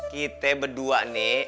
kite bedua nih